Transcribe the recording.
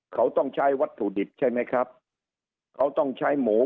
เขาต้องใช้วัตถุดิบใช่ไหมครับเขาต้องใช้หมู